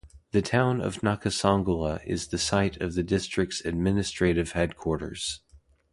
The town of Nakasongola is the site of the district's administrative headquarters.